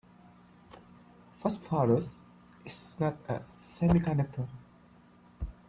Phosphorus is not a semiconductor.